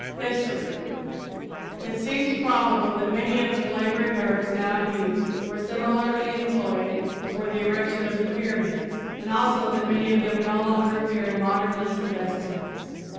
HISTORY It seems probable that many of the flavoring herbs now in use were similarly employed before the erection of the pyramids and also that many then popular no longer appear in modern lists of esculents.